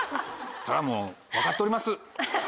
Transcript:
そらもう分かっております！